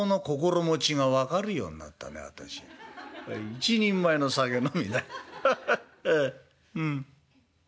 一人前の酒飲みだハハッああうん。